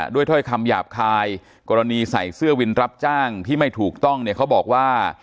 ถ้อยคำหยาบคายกรณีใส่เสื้อวินรับจ้างที่ไม่ถูกต้องเนี่ยเขาบอกว่า